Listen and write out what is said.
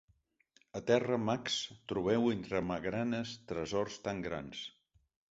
A terra, mags, trobeu entre magranes tresors tan grans.